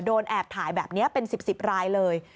แอบถ่ายแบบนี้เป็น๑๐รายเลย